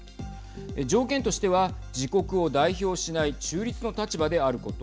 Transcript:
条件としては自国を代表しない中立の立場であること。